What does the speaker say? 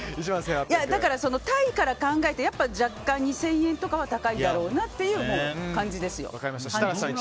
タイから考えてやっぱり若干２０００円とかは高いだろうなっていう感じですよ。